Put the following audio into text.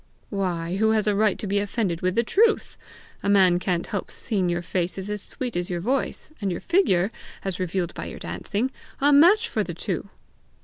"Why, who has a right to be offended with the truth! A man can't help seeing your face is as sweet as your voice, and your figure, as revealed by your dancing, a match for the two!"